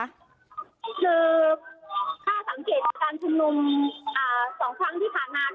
ค่ะถ้าสังเกตเริ่มทางชนมสองครั้งที่ผ่านมา